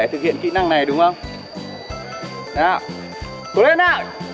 không nhìn xuống dưới được chưa